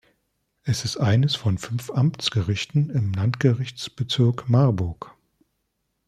Es ist eines von fünf Amtsgerichten im Landgerichtsbezirk Marburg.